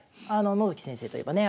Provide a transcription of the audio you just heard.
野月先生といえばね